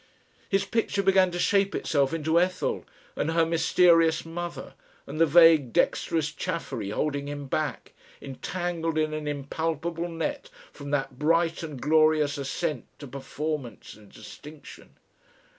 His picture began to shape itself into Ethel, and her mysterious mother, and the vague dexterous Chaffery holding him back, entangled in an impalpable net from that bright and glorious ascent to performance and distinction.